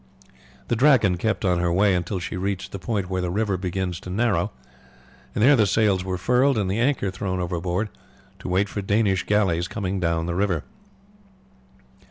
The Dragon kept on her way until she reached the point where the river begins to narrow, and there the sails were furled and the anchor thrown overboard to wait for Danish galleys coming down the river.